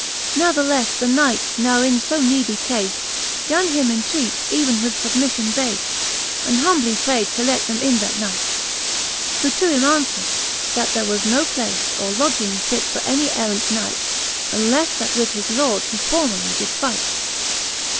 Nathelefle the Knight, now in lb needy cafe, Gan him entreat even with fubmiffion bafe. And humbly praid to let them in that night: Who to him aunfwer'd, that there was noplace Of lodging fit for any errant Knight, Unlefle that with his Lord he formerly did fight.